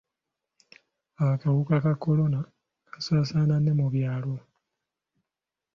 Akawuka ka kolona kasaasaana ne mu byalo.